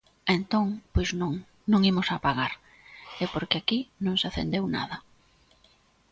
Entón, pois non, non imos apagar, e porque aquí non se acendeu nada.